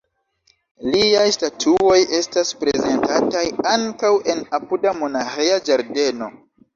Liaj statuoj estas prezentataj ankaŭ en apuda monaĥeja ĝardeno.